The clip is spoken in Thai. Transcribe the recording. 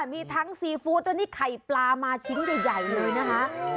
มีทั้งซีฟู้ดแล้วนี่ไข่ปลามาชิ้นใหญ่เลยนะคะ